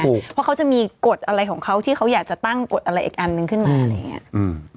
เพราะเขาจะมีกฎอะไรของเขาที่เขาอยากจะตั้งกฎอะไรอีกอันนึงขึ้นมาอะไรอย่างเงี้ยอืม